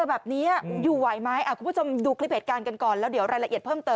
อ่ะคุ้กด้วยห้องละลูกลอนหรือหึย